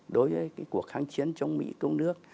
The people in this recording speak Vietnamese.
đối với cuộc kháng chiến chống mỹ cộng nước